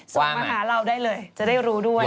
ส่งมาหาเราได้เลยจะได้รู้ด้วย